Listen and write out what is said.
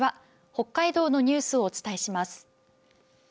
北海道のニュースをお伝えします。